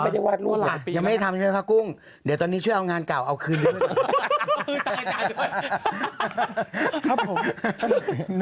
ยังไม่ได้ทำพระกุ้งเดี๋ยวตอนนี้ช่วยเอางานเก่าเอาคืนด้วย